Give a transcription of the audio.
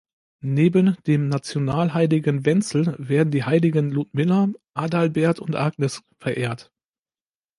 Neben dem Nationalheiligen Wenzel werden die Heiligen Ludmilla, Adalbert und Agnes verehrt.